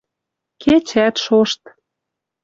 Кечӓт шошт